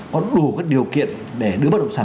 có đủ điều kiện để đưa bất động sản